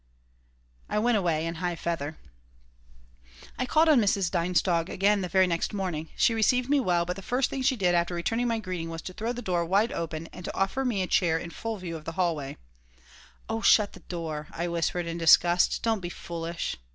I went away in high feather I called on Mrs. Dienstog again the very next morning. She received me well, but the first thing she did after returning my greeting was to throw the door wide open and to offer me a chair in full view of the hallway "Oh, shut the door," I whispered, in disgust. "Don't be foolish."